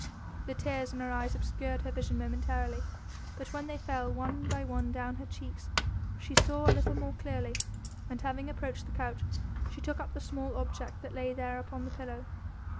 The tears in her eyes obscured her vision momentarily, but when they fell one by one down her cheeks, she saw a little more clearly, and having approached the couch she took up the small object that lay there upon the pillow.